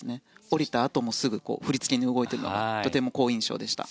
降りたあともすぐ振り付けに動いているのはとても好印象でした。